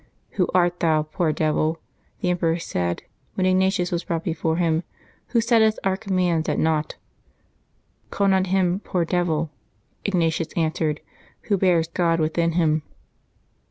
" Who art thou, poor devil," the emperor said when Ignatius was brought before him, "who settest our commands at naught ?"" Call not him ' poor devil,' " Ignatius an swered, "who bears God within him."